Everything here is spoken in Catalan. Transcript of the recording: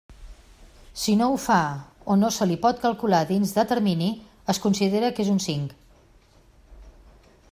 Si no ho fa o no se li pot calcular dins de termini, es considera que és un cinc.